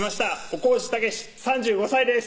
小川内健３５歳です